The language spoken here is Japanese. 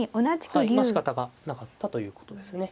はいまあしかたがなかったということですね。